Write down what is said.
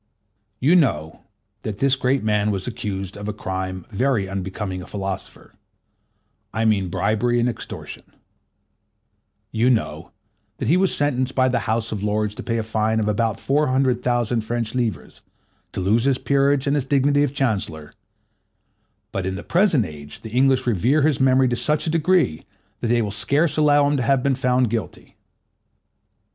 You know that this great man was accused of a crime very unbecoming a philosopher: I mean bribery and extortion. You know that he was sentenced by the House of Lords to pay a fine of about four hundred thousand French livres, to lose his peerage and his dignity of Chancellor; but in the present age the English revere his memory to such a degree, that they will scarce allow him to have been guilty.